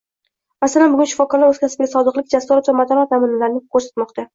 Masalan, bugun shifokorlar oʻz kasbiga sodiqlik, jasorat va matonat namunalarini koʻrsatmoqda.